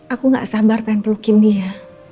aku gak sabar pengen pelukin dia